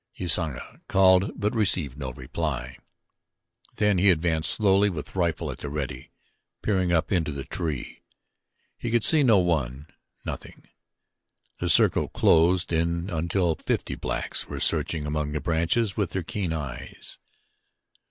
Usanga called but received no reply; then he advanced slowly with rifle at the ready, peering up into the tree. He could see no one nothing. The circle closed in until fifty blacks were searching among the branches with their keen eyes.